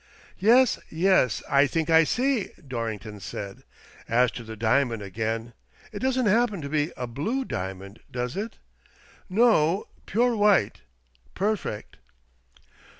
" Yes, yes, I think I see," Dorrington said. "As to the diamond again. It doesn't happen to be a blue diamond, does it ?" "No — pure white ; perfect."